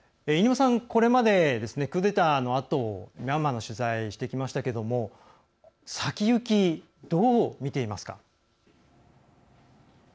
これまでクーデターのあとミャンマーの取材をしてきましたけど先行き、どう見ていますか？